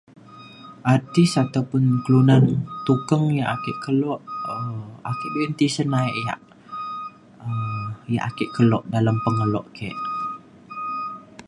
Artis ataupun kelunan tukeng ya ake kelo um ake bek tisen ya ya ake kelo alem pengkelo ke.